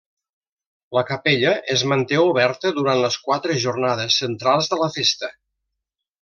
La capella es manté oberta durant les quatre jornades centrals de la festa.